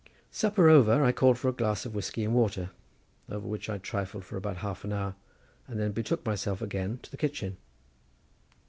Supper over, I called for a glass of whiskey and water, over which I trifled for about half an hour and then betook myself again to the kitchen.